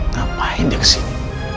ngapain dia kesini